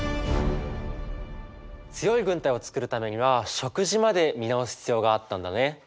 強い軍隊を作るためには食事まで見直す必要があったんだね。